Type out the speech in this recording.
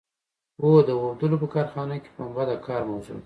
هو د اوبدلو په کارخانه کې پنبه د کار موضوع ده.